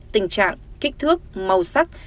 tình trạng kích thước màu sắc